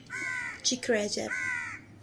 Chick Reiser